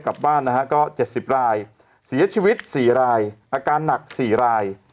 กลับบ้านนะฮะก็เจ็ดสิบรายเสียชีวิตสี่รายอาการหนักสี่ราย